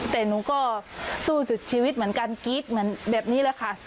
แต่หนูก็สู้สุดชีวิตเหมือนกันกรี๊ดเหมือนแบบนี้แหละค่ะ